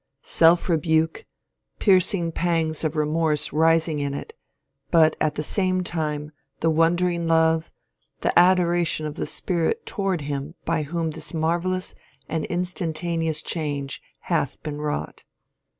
Self rebuke, piercing pangs of remorse nsing in it, but at the same time the wondering love, the adoration of the spirit toward him by whom this marvellous and instantaneous change hath been wrought."